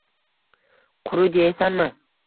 Qurut yeysanmi?